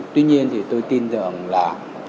tuy nhiên thì tôi tin rằng là